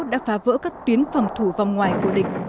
đã phá vỡ các tuyến phòng thủ vòng ngoài của địch